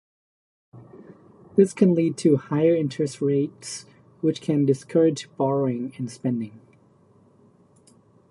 This can lead to higher interest rates, which can discourage borrowing and spending.